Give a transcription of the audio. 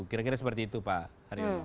kira kira seperti itu pak haryo